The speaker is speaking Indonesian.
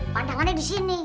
pandangannya di sini